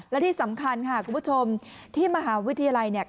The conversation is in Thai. และที่สำคัญค่ะคุณผู้ชมที่มหาวิทยาลัยธรรมศาสตร์